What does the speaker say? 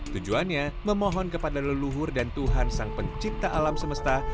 tujuannya memohon kepada leluhur dan tuhan sang pencipta alam semesta